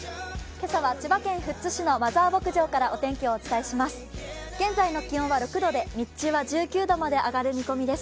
今朝は千葉県富津市のマザー牧場からお天気をお伝えします。